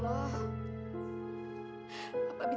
gue mau berpikir